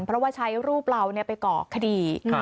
เพราะว่าใช้รูปเราไปก่อคดี